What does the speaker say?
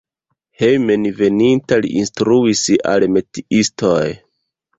Hejmenveninta li instruis al metiistoj.